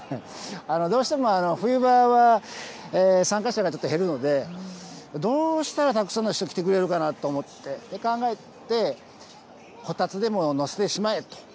どうしても冬場は参加者がちょっと減るので、どうしたらたくさんの人、来てくれるかなと思って、考えて、こたつでも載せてしまえと。